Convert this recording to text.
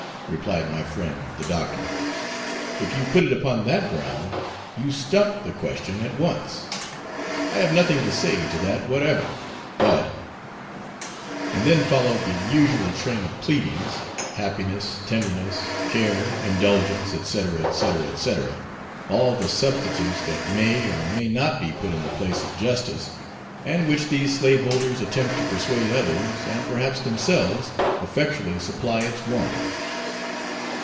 replied my friend, the Doctor, 'if you put it upon that ground, you stump the question at once; I have nothing to say to that whatever, but,' and then followed the usual train of pleadings happiness, tenderness, care, indulgence, &c., &c., &c. all the substitutes that may or may not be put in the place of justice, and which these slaveholders attempt to persuade others, and perhaps themselves, effectually supply its want.